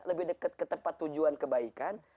lebih dekat ke tempat tujuan kebaikan